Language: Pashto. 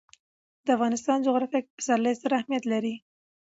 د افغانستان جغرافیه کې پسرلی ستر اهمیت لري.